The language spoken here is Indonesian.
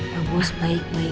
bagus baik baik aja ibu ya